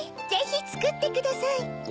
ぜひつくってください！